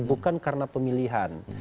bukan karena pemilihan